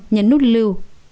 năm nhấn nút lưu